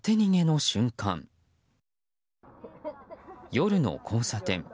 夜の交差点。